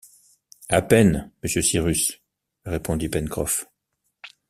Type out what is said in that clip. À peine, monsieur Cyrus, répondit Pencroff.